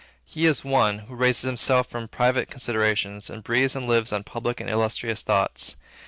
He is one, who raises himself from private considerations, and breathes and lives on public and illustrious thoughts.